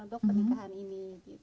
untuk pernikahan ini